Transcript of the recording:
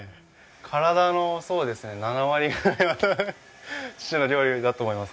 体のそうですね７割ぐらいは父の料理だと思います